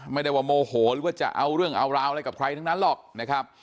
ไม่ได้ว่าโมโหหรือว่าจะเอาเรื่องเอาราวอะไรกับใครทั้งนั้นหรอกนะครับ